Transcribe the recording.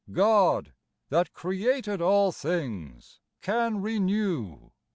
God, that created all things, can renew